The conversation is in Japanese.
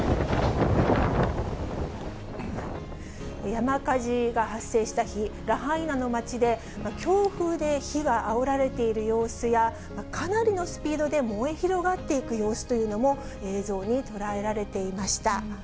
山火事が発生した日、ラハイナの街で強風で火があおられている様子や、かなりのスピードで燃え広がっていく様子というのも、映像に捉えられていました。